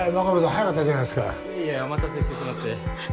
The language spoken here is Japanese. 早かったじゃないですかいやいやお待たせしてしまってはっ？